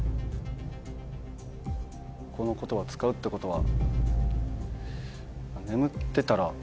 この言葉使うってことは。